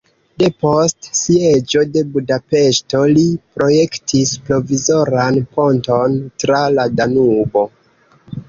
Depost sieĝo de Budapeŝto li projektis provizoran ponton tra la Danubo.